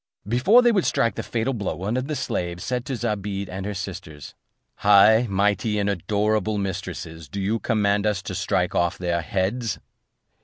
Before they would strike the fatal blow, one of the slaves said to Zobeide, and her sisters: "High, mighty, and adorable mistresses, do you command us to strike off their heads?"